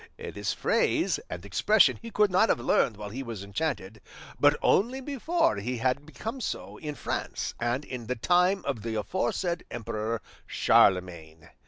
This phrase and expression he could not have learned while he was enchanted, but only before he had become so, in France, and in the time of the aforesaid emperor Charlemagne.